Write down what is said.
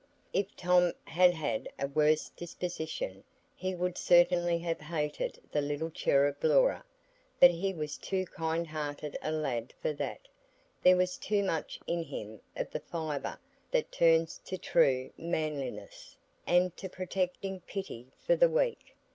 If Tom had had a worse disposition, he would certainly have hated the little cherub Laura, but he was too kind hearted a lad for that; there was too much in him of the fibre that turns to true manliness, and to protecting pity for the weak.